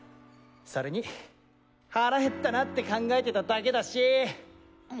それに腹減ったなって考えてただけだし。